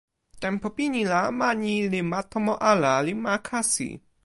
tenpo pini la ma ni li ma tomo ala li ma kasi.